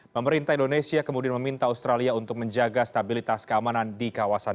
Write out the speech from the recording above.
pemerintah indonesia kemudian meminta australia untuk menjaga stabilitas keamanan di kawasan